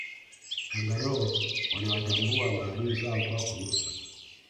kangaroo wanawatambua maadui zao kwa kunusa